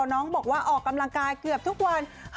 น้องบอกว่าออกกำลังกายเกือบทุกวัน